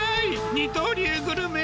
二刀流グルメ。